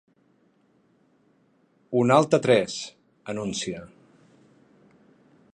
Un altre tres! –anuncia–.